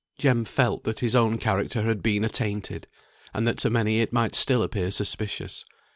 Jem felt that his own character had been attainted; and that to many it might still appear suspicious.